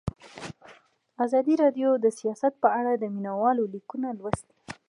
ازادي راډیو د سیاست په اړه د مینه والو لیکونه لوستي.